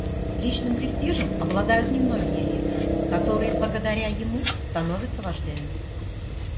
Личным престижем обладают немногие лица, которые благодаря ему становятся вождями.